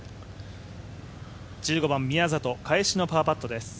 １５番、宮里返しのパーパットです。